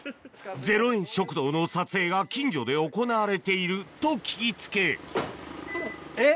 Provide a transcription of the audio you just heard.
０円食堂の撮影が近所で行われていると聞き付けえっ？